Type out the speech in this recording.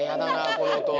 この音は。